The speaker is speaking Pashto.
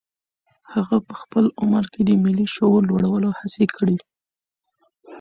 هغه په خپل عمر کې د ملي شعور لوړولو هڅې کړي.